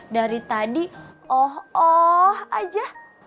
dari tadi oh oh aja